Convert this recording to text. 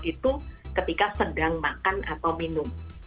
itu ketika sedang makan atau minum